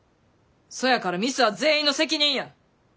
そやからミスは全員の責任や。